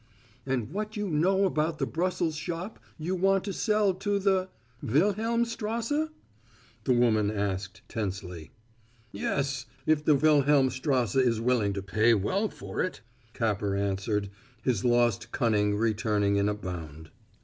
"And what you know about the Brussels shop you want to sell to the Wilhelmstrasse?" the woman asked tensely. "Yes, if the Wilhelmstrasse is willing to pay well for it," Capper answered, his lost cunning returning in a bound.